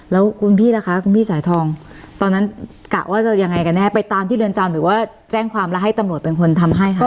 แล้วคุณพี่ล่ะคะคุณพี่สายทองตอนนั้นกะว่าจะยังไงกันแน่ไปตามที่เรือนจำหรือว่าแจ้งความแล้วให้ตำรวจเป็นคนทำให้คะ